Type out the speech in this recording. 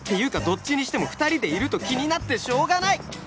どっちにしても２人でいると気になってしょうがない！